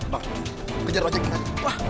bang kejar wajah kita